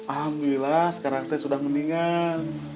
alhamdulillah sekarang saya sudah mendingan